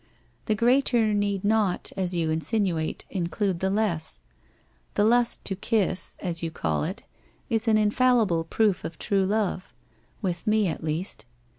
' The greater need not, as you insinuate, include the less. The lust to kiss, as you call it, is an infallible proof of true love — with me at least.